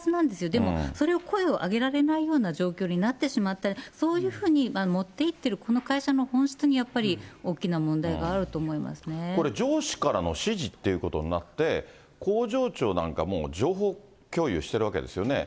でも、それを声を上げられないような状況になってしまっている、そういうふうに持っていってるこの会社の本質にやっぱり、大きなこれ、上司からの指示ということになって、工場長なんかも情報共有してるわけですよね。